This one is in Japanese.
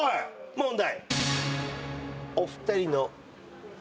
問題。